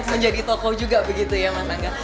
menjadi tokoh juga begitu ya mas angga